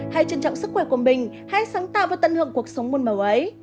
hãy trân trọng sức khỏe của mình hãy sáng tạo và tận hưởng cuộc sống muôn màu ấy